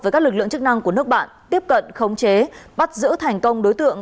với các lực lượng chức năng của nước bạn tiếp cận khống chế bắt giữ thành công đối tượng